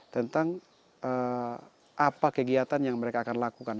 tentang apa kegiatan yang mereka akan lakukan